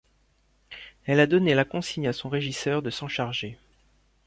Elle a donné la consigne à son régisseur de s'en charger.